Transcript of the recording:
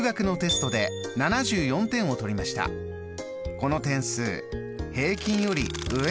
この点数平均より上？